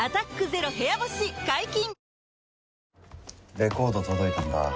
レコード届いたんだ